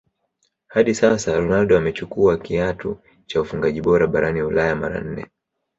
Hadi sasa Ronaldo amechukua kiatu cha ufungaji bora barani ulaya mara nne